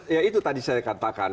ya itu tadi saya katakan